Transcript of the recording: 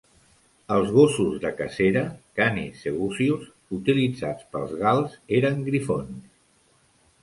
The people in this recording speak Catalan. Els gossos de cacera, Canis Segusius, utilitzats pels gals eren griffons.